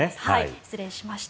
失礼しました。